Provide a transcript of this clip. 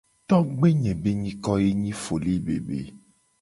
Togbe nye be nyiko ye nyi foli-bebe.